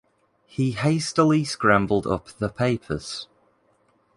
He hastily scrambled up the papers.